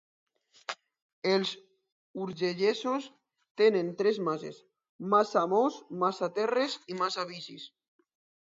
Els urgellesos tenen tres masses: massa amos, massa terres i massa vicis.